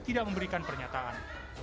tidak memberikan pernyataan